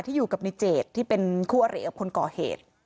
อยู่กับในเจดที่เป็นคู่อริกับคนก่อเหตุ